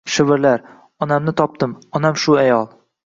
Shivirlar: — Onamni topdim…onam – shu ayol…